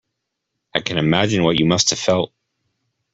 I can imagine what you must have felt.